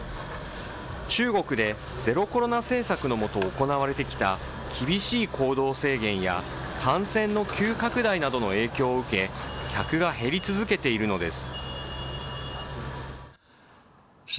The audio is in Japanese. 中国でゼロコロナ政策の下、行われてきた厳しい行動制限や、感染の急拡大などの影響を受け、客が減り続けているのです。